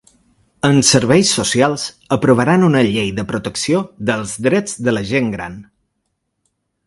En serveis socials, aprovaran una llei de protecció dels drets de la gent gran.